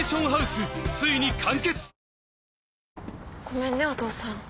ごめんねお父さん。